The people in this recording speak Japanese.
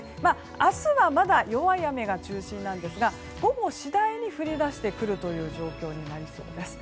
明日はまだ弱い雨が中心ですが午後、次第に降り出してくるという状況になりそうです。